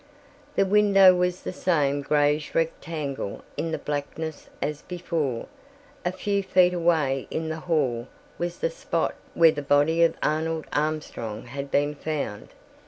The window was the same grayish rectangle in the blackness as before. A few feet away in the hall was the spot where the body of Arnold Armstrong had been found.